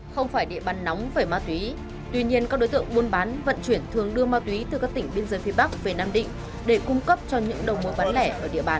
không phải địa bàn nóng về ma túy tuy nhiên các đối tượng buôn bán vận chuyển thường đưa ma túy từ các tỉnh biên giới phía bắc về nam định để cung cấp cho những đầu mối bán lẻ ở địa bàn